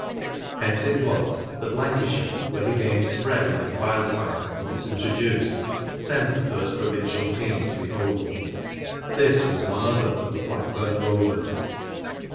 Hence it was that Lancashire, where the game spread like wild fire when once introduced, sent the first provincial team to the Oval. This was none other than the Blackburn Rovers.